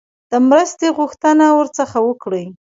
د مرستې غوښتنه ورڅخه وکړي.